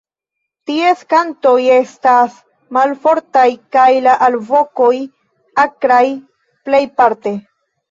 Ties kantoj estas malfortaj kaj la alvokoj akraj plejparte.